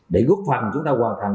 để góp phần chúng ta hoàn thành